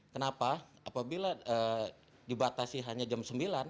kenapa apabila dibatasi hanya jam sembilan